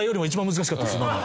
今の。